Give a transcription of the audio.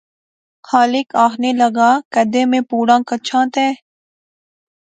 خالق آخنے لاغا کیدے میں پوڑں کچھاں تے؟